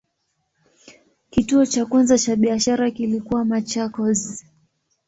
Kituo cha kwanza cha biashara kilikuwa Machakos.